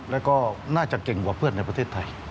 แล้วก็น่าจะเก่งกว่าเพื่อนในประเทศไทย